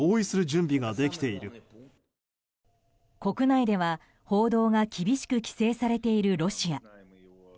国内では、報道が厳しく規制されているロシア。